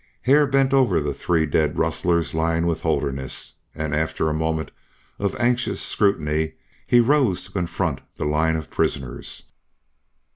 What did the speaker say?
Hare bent over the three dead rustlers lying with Holderness, and after a moment of anxious scrutiny he rose to confront the line of prisoners.